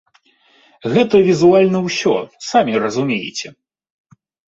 Гэта візуальна ўсё, самі разумееце.